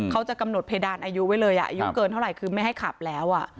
เขาจะกำหนดเพดานอายุไว้เลยอายุเกินเท่าไหร่คือไม่ให้ขับแล้ว